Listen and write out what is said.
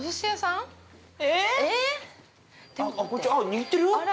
◆握ってる？